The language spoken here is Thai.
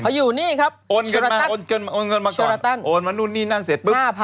พออยู่นี่ครับโอนเงินมาเปิดครั้งนั้นเสร็จ